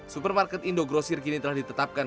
supermarket indo grocer kini telah ditetapkan